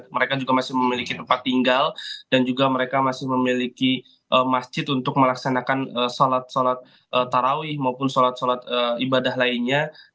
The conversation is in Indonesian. mereka juga masih memiliki tempat tinggal dan juga mereka masih memiliki masjid untuk melaksanakan sholat sholat tarawih maupun sholat sholat ibadah lainnya